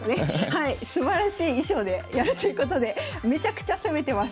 はいすばらしい衣装でやるということでめちゃくちゃ攻めてます。